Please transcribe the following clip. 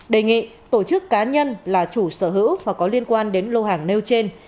đề nghị tổ chức cá nhân là chủ sở hữu và có liên quan đến lô hàng nêu trên